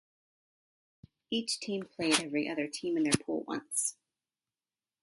Each team played every other team in their pool once.